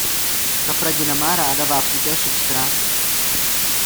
Kapradina má ráda vápnité substráty.